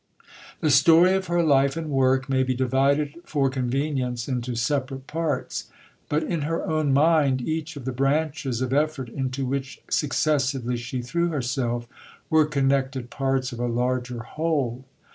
The story of her life and work may be divided for convenience into separate Parts; but in her own mind each of the branches of effort into which successively she threw herself were connected parts of a larger whole.